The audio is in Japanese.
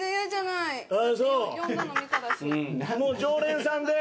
もう常連さんで。